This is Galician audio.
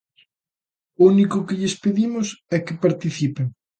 O único que lles pedimos é que participen.